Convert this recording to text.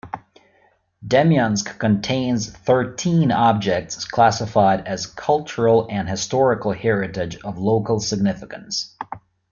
Demyansk contains thirteen objects classified as cultural and historical heritage of local significance.